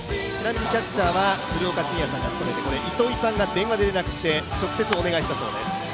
キャッチャーは鶴岡慎也さんが務めて糸井さんが電話で連絡して直接お願いしたそうです。